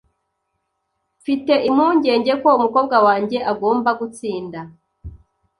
Mfite impungenge ko umukobwa wanjye agomba gutsinda .